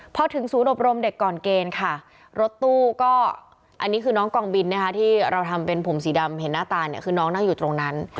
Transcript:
พอถึงศูนย์อบรมเด็กก่อนเกณฑ์ค่ะรถตู้ก็อันนี้คือน้องกองบินนะคะที่เราทำเป็นผมสีดำเห็นหน้าตาเนี่ยคือน้องนั่งอยู่ตรงนั้น